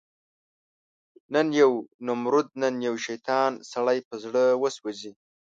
نن یو نمرود، نن یو شیطان، سړی په زړه وسوځي